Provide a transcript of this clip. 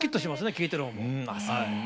聴いてる方も。